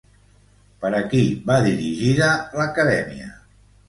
Per a qui va dirigida l'acadèmia?